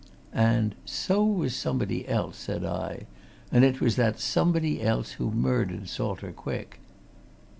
"And so was somebody else," said I. "And it was that somebody else who murdered Salter Quick."